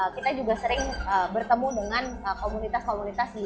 kita juga sering bertemu dengan komunitas komunitas di